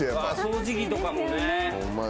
掃除機とかもね。